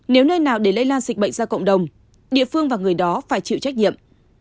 nếu nơi nào để lây lan dịch bệnh ra cộng đồng địa phương và người đó phải chịu trách nhiệm